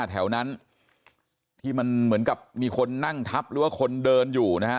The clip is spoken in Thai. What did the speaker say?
แถวนั้นที่มันเหมือนกับมีคนนั่งทับหรือว่าคนเดินอยู่นะฮะ